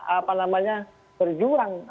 apa namanya berjuang